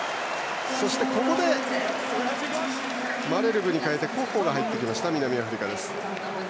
そして、ここでマレルブに代えてコッホが入った南アフリカ。